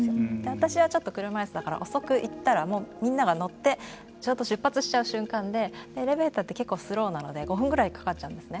私はちょっと車いすだから遅く行ったらみんなが乗ってちょうど出発しちゃう瞬間でエレベーターって結構スローなので５分ぐらいかかっちゃうんですね。